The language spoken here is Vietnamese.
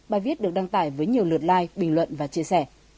bài viết được đăng tải với nhiều lượt like bình luận và chia sẻ